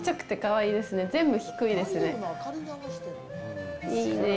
いいねぇ。